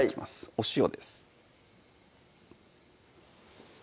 お塩です